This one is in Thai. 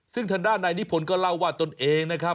ซึ่งทางด้านนายนิพนธ์ก็เล่าว่าตนเองนะครับ